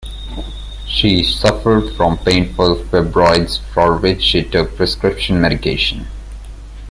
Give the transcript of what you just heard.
She suffered from painful fibroids, for which she took prescription medication.